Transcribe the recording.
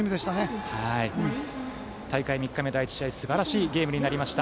大会３日目、第１試合すばらしい試合になりました。